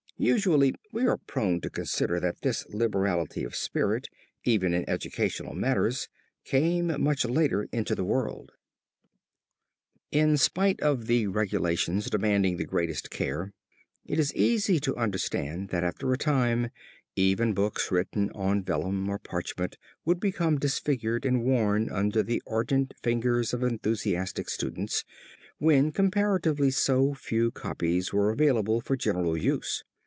Usually we are prone to consider that this liberality of spirit, even in educational matters, came much later into the world. In spite of the regulations demanding the greatest care, it is easy to understand that after a time even books written on vellum or parchment would become disfigured and worn under the ardent fingers of enthusiastic students, when comparatively so few copies were available for general use.